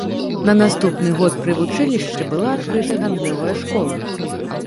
На наступны год пры вучылішчы была адкрыта гандлёвая школа.